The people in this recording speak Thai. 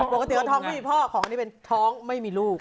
ปกติก็ท้องไม่มีพ่อของนี้เป็นท้องไม่มีลูก